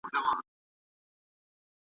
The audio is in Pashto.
موڼيکا ګرېډي وایي، دا زموږ سره مرسته کوي.